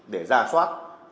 để ra soát